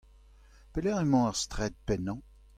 Pelec'h emañ ar straed pennañ ?